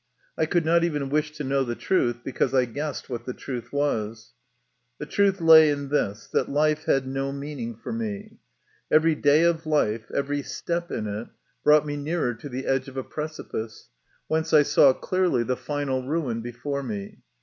I could not even wish to know the truth, because I guessed what the truth was. The truth lay in this that life had no mean ing for me. Every day of life, every step in it, 28 MY CONFESSION. 29 brought me nearer the edge of a precipice, whence I saw clearly the final ruin before me.